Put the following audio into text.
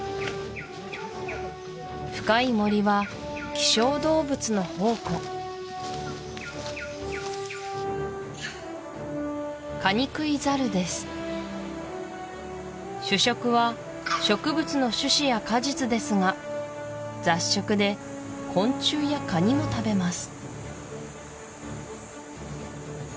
深い森は希少動物の宝庫主食は植物の種子や果実ですが雑食で昆虫やカニも食べます